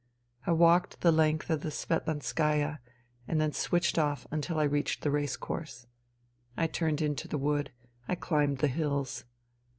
I walked the length of the Svetlanskaya, and then switched off until I reached the race course. I turned into the wood. I chmbed the hills.